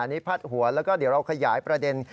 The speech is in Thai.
อันนี้พาดหัวแล้วก็เดี๋ยวเราขยายประเด็น